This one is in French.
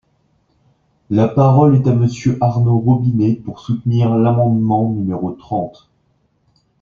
La parole est à Monsieur Arnaud Robinet, pour soutenir l’amendement numéro trente.